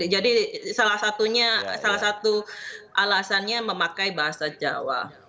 jadi salah satunya salah satu alasannya memakai bahasa jawa